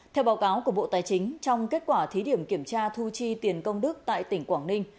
theo báo cáo của bộ tài chính trong kết quả thí điểm kiểm tra thu chi tiền công đức tại tỉnh quảng ninh